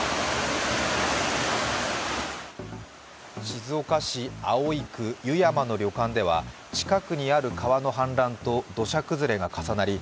静岡市葵区油山の旅館では近くにある川の氾濫と土砂崩れが重なり